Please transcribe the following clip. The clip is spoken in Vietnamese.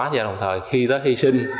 và đồng thời khi đó hy sinh